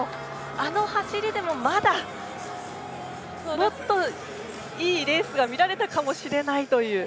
あの走りでもまだもっといいレースが見られたかもしれないという。